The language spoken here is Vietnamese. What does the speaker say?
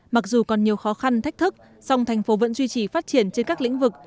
mặc dù còn nhiều khó khăn thách thức song thành phố vẫn duy trì phát triển trên các lĩnh vực